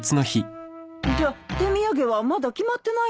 じゃ手土産はまだ決まってないのかい。